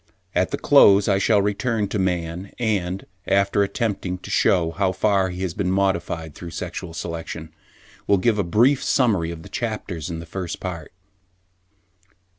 At the close I shall return to man, and, after attempting to shew how far he has been modified through sexual selection, will give a brief summary of the chapters in this First Part.